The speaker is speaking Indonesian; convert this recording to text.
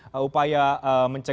kami ada semua